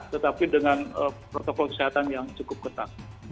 tetapi dengan protokol kesehatan yang cukup ketat